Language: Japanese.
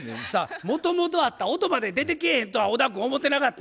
もともとあった音まで出てけえへんとは小田君思ってなかった。